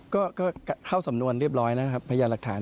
ก็เข้าสำนวนเรียบร้อยแล้วนะครับพยานหลักฐาน